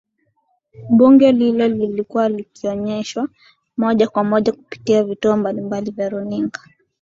Bunge lile lilikuwa likioneshwa moja kwa moja kupitia vituo mbalimbali vya runinga